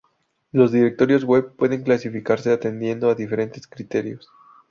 Los directorios web pueden clasificarse atendiendo a diferentes criterios.